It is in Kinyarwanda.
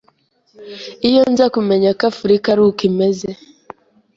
iyo nza kumenya ko Afurika ari uku imeze